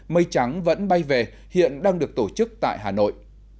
mây trắng vẫn bay về hiện đang được tổ chức tại hà nội